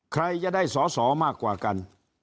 ใครจะได้สอสอมากกว่ากัน